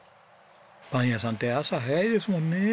パン屋さんって朝早いですもんね。